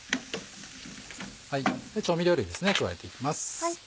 調味料類ですね加えていきます。